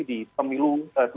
di pemilu dua ribu dua puluh empat